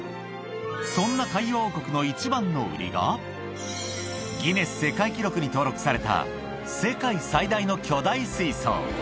そんな海洋王国の一番の売りが、ギネス世界記録に登録された世界最大の巨大水槽。